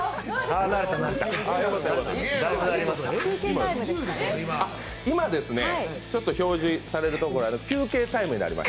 あ、今ですね、表示されるところが休憩タイムになります。